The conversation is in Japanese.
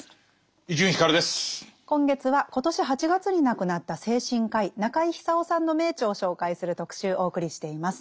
今月は今年８月に亡くなった精神科医中井久夫さんの名著を紹介する特集お送りしています。